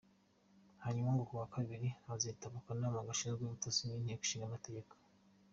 Hanyuma ku wa kabiri azitaba akanama gashinzwe ubutasi k'inteko nshingamategeko.